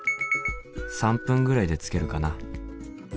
３分ぐらいで着けるかな？